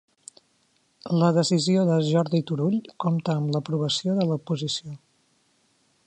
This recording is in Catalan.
La decisió de Jordi Turull compta amb l'aprovació de l'oposició